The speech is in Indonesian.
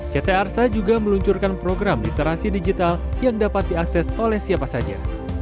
ct arsa juga meluncurkan program literasi digital yang dapat diakses oleh siapa saja